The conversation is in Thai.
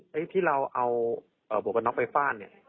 ให้ที่เราเอาบวกน้องไปฝ้านเนี่ย